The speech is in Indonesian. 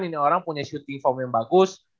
ini orang punya syuting form yang bagus